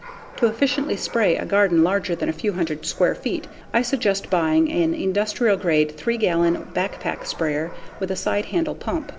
To efficiently spray a garden larger than a few hundred square feet, I suggest buying an industrial grade, 3 gallon backpack sprayer with a side handle pump.